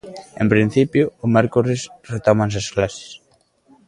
En principio, o mércores retómanse as clases.